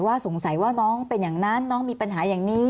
สงสัยว่าน้องเป็นอย่างนั้นน้องมีปัญหาอย่างนี้